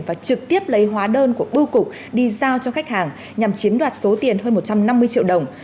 và trực tiếp lấy hóa đơn của bưu cục đi giao cho khách hàng nhằm chiếm đoạt số tiền hơn một trăm năm mươi triệu đồng